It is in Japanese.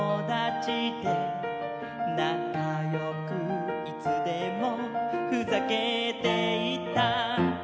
「なかよくいつでもふざけていた」